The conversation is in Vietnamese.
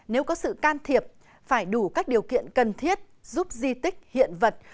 nếu có sự can thiệp phải đủ các điều kiện cần thiết giúp di tích hiện vật